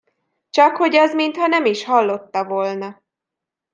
Csakhogy az mintha nem is hallotta volna.